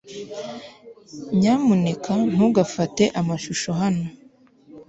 nyamuneka ntugafate amashusho hano